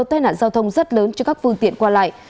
tai nạn giao thông rất lớn cho các phương tiện qua lại